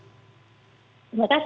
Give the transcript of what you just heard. terima kasih selamat pagi